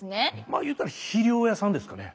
まあ言うたら肥料屋さんですかね。